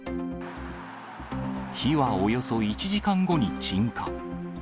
火はおよそ１時間後に鎮火。